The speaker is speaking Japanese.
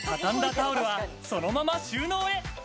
タオルはそのまま収納へ。